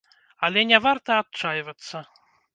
Але не варта адчайвацца.